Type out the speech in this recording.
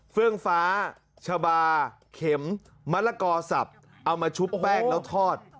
เฟื่องฟ้าชาบาเข็มมะละกอสับเอามาชุบแป้งแล้วทอด